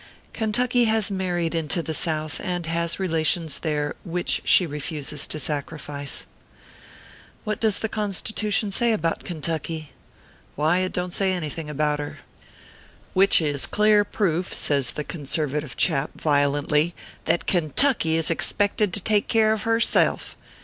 Kentucky has married into the South, and has relations there which she refuses to sacrifice. What does the Constitution say about Kentucky ? Why, it don t say anything about her. " Which is clear proof," says the conservative chap, violently, " that Kentucky is expected to take care of herself.